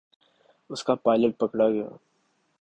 اس کا پائلٹ پکڑا گیا۔